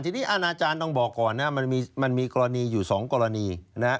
ทีนี้อาณาจารย์ต้องบอกก่อนนะมันมีกรณีอยู่๒กรณีนะฮะ